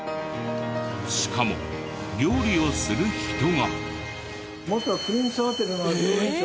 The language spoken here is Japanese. しかも料理をする人が。